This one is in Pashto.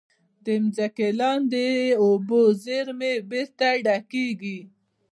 د ځمکې لاندې اوبو زیرمې بېرته ډکېږي.